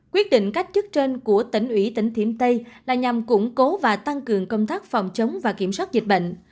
quyết định cách chức trên của tỉnh ủy tỉnh thiểm tây là nhằm củng cố và tăng cường công tác phòng chống và kiểm soát dịch bệnh